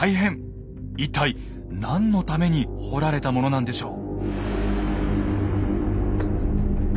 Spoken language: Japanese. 一体何のために掘られたものなんでしょう？